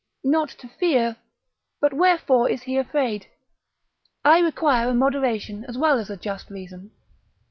Not to fear, but wherefore is he afraid? I require a moderation as well as a just reason.